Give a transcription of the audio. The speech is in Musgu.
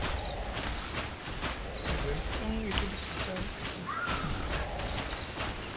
Yivay paŋ e Ɵiɓiti Ɵa e Ɵiɓiti Ɵa.